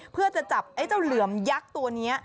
เพื่อจะจับไอ้เจ้าเหลือมยักษ์ตัวนี้